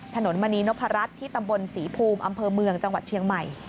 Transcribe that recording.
มณีนพรัชที่ตำบลศรีภูมิอำเภอเมืองจังหวัดเชียงใหม่